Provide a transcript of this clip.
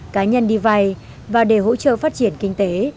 cá nhân đi vay và để hỗ trợ phát triển kinh tế